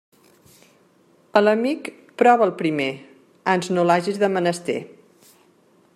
A l'amic prova'l primer, ans no l'hagis de menester.